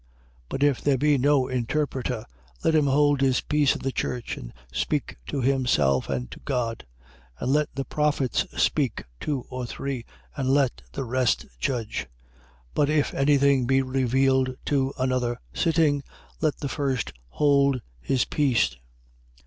14:28. But if there be no interpreter, let him hold his peace in the church and speak to himself and to God. 14:29. And let the prophets speak, two or three: and let the rest judge. 14:30. But if any thing be revealed to another sitting, let the first hold his peace.